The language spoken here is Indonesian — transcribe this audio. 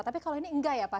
tapi kalau ini enggak ya pak